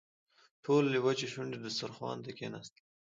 ټول وچې شونډې دسترخوان ته کښېناستل.